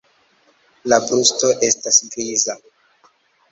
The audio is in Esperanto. La brusto estas griza.